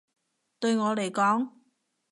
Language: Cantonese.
對我嚟講